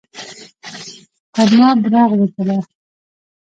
پر ما برغ وکړه.